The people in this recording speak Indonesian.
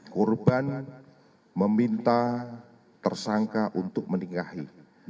korban meminta tersangka untuk menikahi